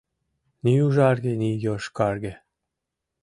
Ни ужарге, ни йошкарге